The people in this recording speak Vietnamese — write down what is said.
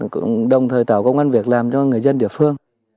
cũng đồng thời tạo công an việc làm cho người dân địa phương